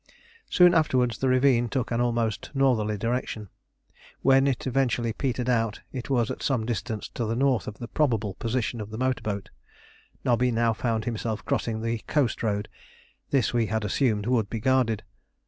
Soon afterwards the ravine took an almost northerly direction. When it eventually petered out it was at some distance to the north of the probable position of the motor boat. Nobby now found himself crossing the coast road; this we had assumed would be guarded.